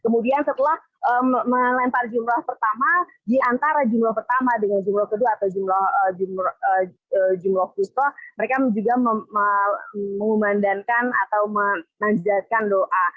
kemudian setelah melempar jumrah pertama di antara jumlah pertama dengan jumlah kedua atau jumlah kusto mereka juga mengumandankan atau menanjatkan doa